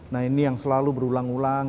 nah ini yang selalu berulang ulang